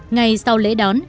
ngày sau lễ đón